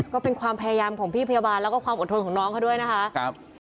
ก็เป็นความพยายามของพี่พยาบาลแล้วก็ความอดทนของน้องเขาด้วยนะคะ